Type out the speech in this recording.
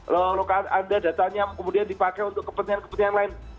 loh anda datanya kemudian dipakai untuk kepentingan kepentingan lain